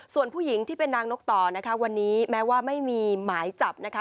ส่วนผู้หญิงที่เป็นนางนกต่อนะคะวันนี้แม้ว่าไม่มีหมายจับนะคะ